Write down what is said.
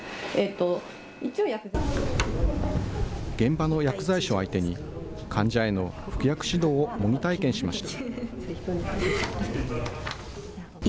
現場の薬剤師を相手に、患者への服薬指導を模擬体験しました。